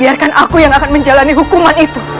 biarkan aku yang akan menjalani hukuman itu